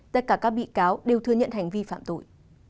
tất cả các bị cáo đều thừa nhận hành vi phạm tội